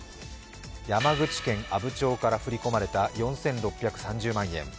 山口県阿武町から振り込まれた４６３０万円。